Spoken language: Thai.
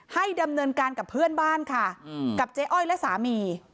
ให้ดำเนินการกับเพื่อนบ้านค่ะกับเจ๊อ้อยและสามี